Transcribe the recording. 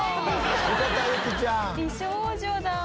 美少女だ。